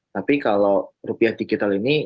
tapi kalau rupiah digital ini